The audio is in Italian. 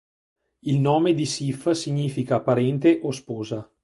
Il nome di Sif significa: "Parente" o "Sposa".